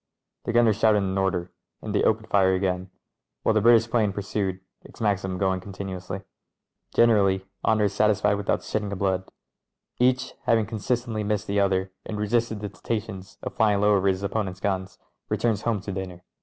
The gunner shouted an order, and they opened fire again, while the British 'plane pursued, its Maxim going continuously. Generally honour is satisfied without the shedding of blood ; each, having consistently missed the other and resisted the temptations of Sying low over his opponents' guns, returns home to dinner.